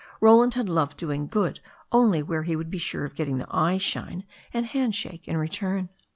Roland had loved doing good only where he could be sure of getting the eye shine and hand shake in return.